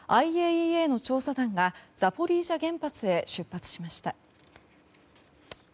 ＩＡＥＡの調査団がザポリージャ原発へ出発しました。